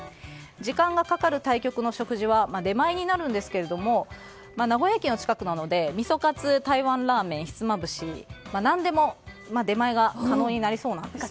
時間がかかる対局の食事は出前になるんですけれども名古屋駅の近くなので、みそかつ台湾ラーメンひつまぶし、何でも出前が可能になりそうなんです。